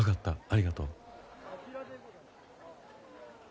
ありがとう。